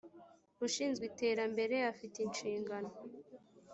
ushinzwe iterambere afite inshingano.